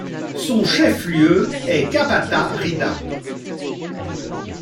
Son chef-lieu est Capatárida.